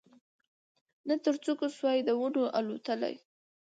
نه تر څوکو سوای د ونو الوتلای